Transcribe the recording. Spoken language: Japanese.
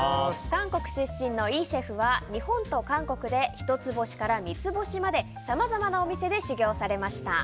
韓国出身のイシェフは日本と韓国で１つ星から３つ星までさまざまなお店で修業されました。